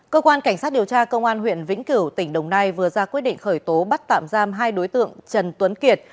cơ quan cảnh sát điều tra công an huyện vĩnh cửu tỉnh đồng nai vừa ra quyết định khởi tố bắt tạm giam hai đối tượng trần tuấn kiệt